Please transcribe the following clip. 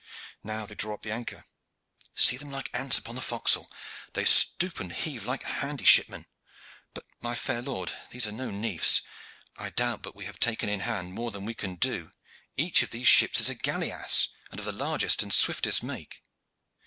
Now they draw upon the anchor. See them like ants upon the forecastle! They stoop and heave like handy ship men. But, my fair lord, these are no niefs. I doubt but we have taken in hand more than we can do. Each of these ships is a galeasse, and of the largest and swiftest make."